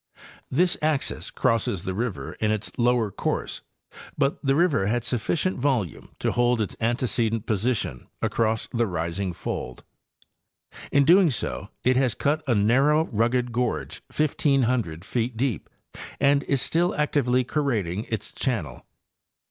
This axis crosses the river in its lower course, but the river had sufficient volume to hold its antecedent position across the rising fold. In doing so it has cut a narrow, 92 Hayes and Campbell—Appalachian Geomorphology. rugged gorge 1,500 feet deep, and is still actively corrading its channel.